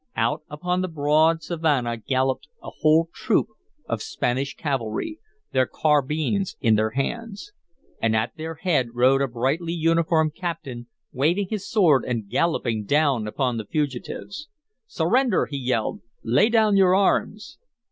Out upon the broad savanna galloped a whole troop of Spanish cavalry, their carbines in their hands. And at their head rode a brightly uniformed captain waving his sword and galloping down upon the fugitives. "Surrender!" he yelled. "Lay down your arms."